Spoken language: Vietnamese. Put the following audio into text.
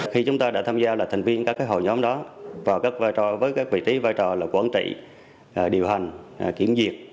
khi chúng ta đã tham gia thành viên các hội nhóm đó với các vị trí vai trò là quản trị điều hành kiểm duyệt